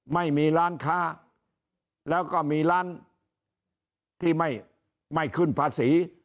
ไม่มีร้านค้าแล้วก็มีร้านที่ไม่ขึ้นภาษี